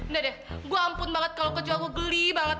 ndah deh gue ampun banget kalau kecoa gue geli banget